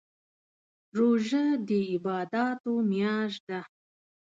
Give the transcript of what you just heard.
روژه دي عبادات میاشت ده